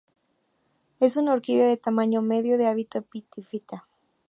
Es una orquídea de tamaño medio de hábito epífita.